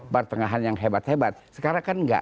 pertengahan yang hebat hebat sekarang kan enggak